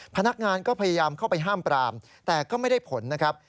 พนักงานก็พยายามเข้าไปห้ามปรามแต่ก็ไม่ได้ผลนะครับ